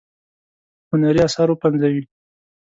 هنري آثار وپنځوي.